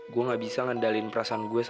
gue nggak bisa ngendaliin perasaan gue sama dia